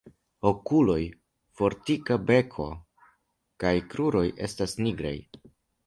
Okuloj, fortika beko kaj kruroj estas nigraj.